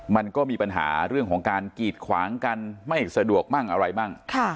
มันก็มีปัญหาเรื่องของการกีดขวางกันไม่สะดวกมั่งอะไรมั่ง